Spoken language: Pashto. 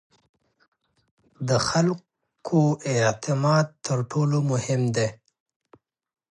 د خلکو اعتماد تر ټولو مهم دی